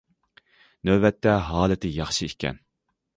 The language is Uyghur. نۆۋەتتە ھالىتى ياخشى ئىكەن.